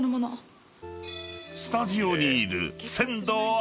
［スタジオにいる］